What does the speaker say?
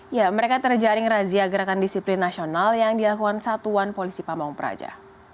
ya mereka terjaring razia gerakan disiplin nasional yang dilakukan satuan polisi pamung praja